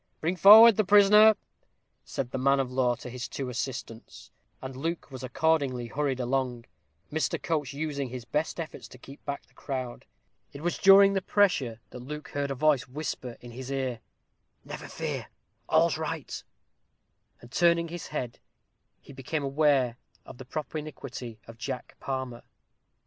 "Bring forward the prisoner," said the man of law to his two assistants; and Luke was accordingly hurried along, Mr. Coates using his best efforts to keep back the crowd. It was during the pressure that Luke heard a voice whisper in his ear, "Never fear; all's right!" and turning his head, he became aware of the propinquity of Jack Palmer.